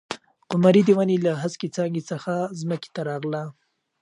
قمري د ونې له هسکې څانګې څخه ځمکې ته راغله.